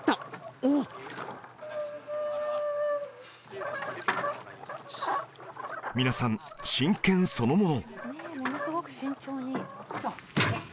おおっ皆さん真剣そのもの